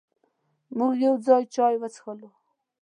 مونږ یو ځای چای وڅښل.